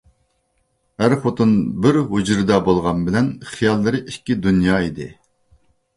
ئەر-خوتۇن بىر ھۇجرىدا بولغان بىلەن خىياللىرى ئىككى دۇنيا ئىدى.